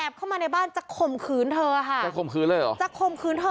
เข้ามาในบ้านจะข่มขืนเธอค่ะจะข่มขืนเลยเหรอจะข่มขืนเธอ